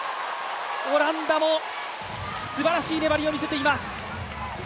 オランダもすばらしい粘りを見せています。